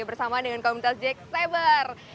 bersama dengan komunitas jack saber